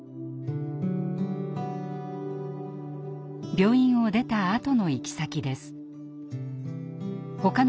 病院を出たあとの行き先です。